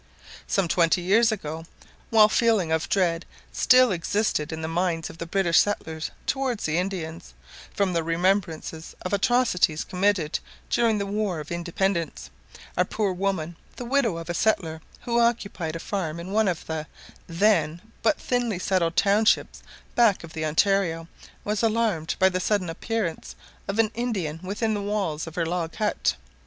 Some twenty years ago, while a feeling of dread still existed in the minds of the British settlers towards the Indians, from the remembrance of atrocities committed during the war of independence, a poor woman, the widow of a settler who occupied a farm in one of the then but thinly settled townships back of the Ontario, was alarmed by the sudden appearance of an Indian within the walls of her log hut.